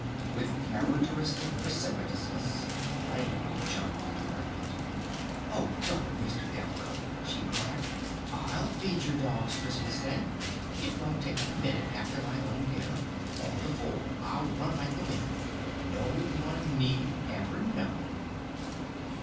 With characteristic precipitousness Flame jumped to her feet. "Oh, darn Mr. Delcote!" she cried. "I'll feed your dogs, Christmas Day! It won't take a minute after my own dinner or before! I'll run like the wind! No one need ever know!"